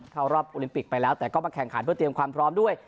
เข้ารอบโอลิมปิกไปแล้วแต่ก็มาแข่งขันเพื่อเตรียมความพร้อมด้วย